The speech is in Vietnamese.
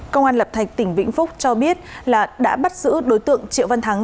công an lập thạch tỉnh vĩnh phúc cho biết là đã bắt giữ đối tượng triệu văn thắng